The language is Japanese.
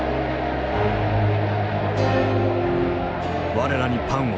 「我らにパンを！」。